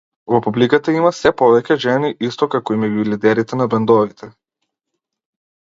Во публиката има сѐ повеќе жени, исто како и меѓу лидерите на бендовите.